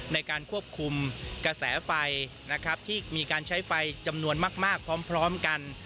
ในการควบคุมกระแสไฟนะครับที่มีการใช้ไฟจำนวนมากพร้อมกัน